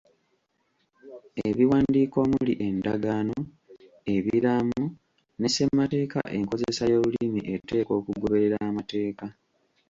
Ebiwandiiko omuli endagaano, ebiraamo ne ssemateeka enkozesa y'olulimi eteekwa okugoberera amateeka.